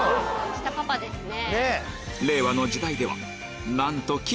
下パパですね。